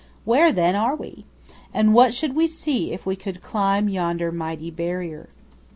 Where, then, are we? And what should we see if we could climb yonder mighty barrier?